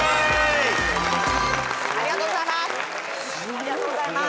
ありがとうございます。